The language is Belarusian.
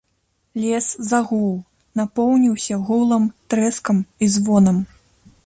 Лес загуў, напоўніўся гулам, трэскам і звонам.